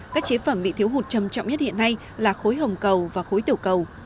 các chế phẩm bị thiếu hụt trầm trọng nhất hiện nay là khối hồng cầu và khối tiểu cầu